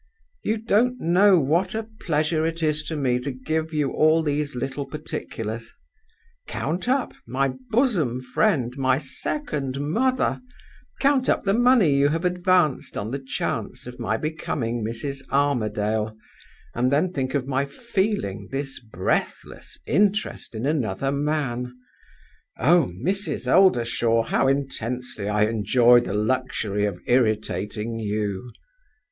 "You don't know what a pleasure it is to me to give you all these little particulars. Count up my bosom friend, my second mother count up the money you have advanced on the chance of my becoming Mrs. Armadale, and then think of my feeling this breathless interest in another man. Oh, Mrs. Oldershaw, how intensely I enjoy the luxury of irritating you!